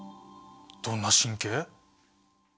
どんな神経？